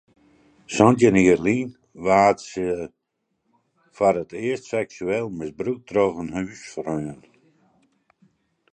Santjin jier lyn waard sy foar it earst seksueel misbrûkt troch in húsfreon.